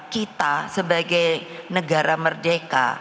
kita sebagai negara merdeka